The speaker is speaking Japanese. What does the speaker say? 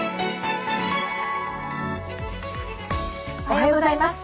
おはようございます。